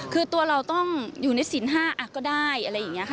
คือตัวเราต้องอยู่ในศีล๕ก็ได้อะไรอย่างนี้ค่ะ